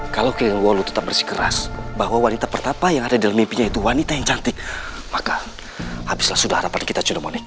kalo keinginan lu tetap bersih keras bahwa wanita pertama yang ada dalam mimpinya itu wanita yang cantik maka habislah sudah harapan kita cudamonik